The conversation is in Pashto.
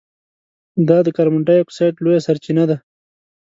دا د کاربن ډای اکسایډ لویه سرچینه ده.